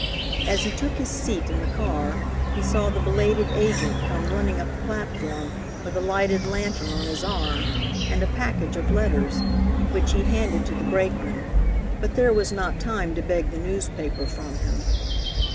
As he took his seat in the car he saw the belated agent come running up the platform with a lighted lantern on his arm, and a package of letters, which he handed to the brakeman, but there was not time to beg the newspaper from him.